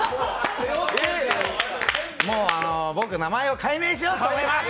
もう、僕、名前を改名しようと思います。